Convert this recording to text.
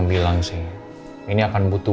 bilang sih ini akan butuh